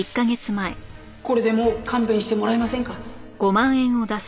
これでもう勘弁してもらえませんか？